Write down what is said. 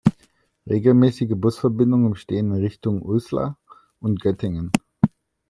Regelmäßige Busverbindungen bestehen in Richtung Uslar und Göttingen.